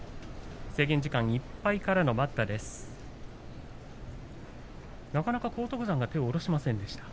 制限時間いっぱいからの待った。